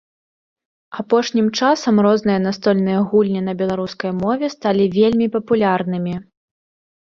Апошнім часам розныя настольныя гульні на беларускай мове сталі вельмі папулярнымі.